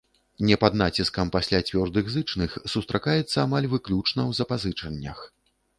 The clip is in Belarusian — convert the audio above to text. Не пад націскам пасля цвёрдых зычных сустракаецца амаль выключна ў запазычаннях.